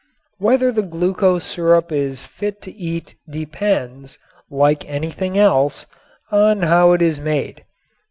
Whether the glucose syrup is fit to eat depends, like anything else, on how it is made.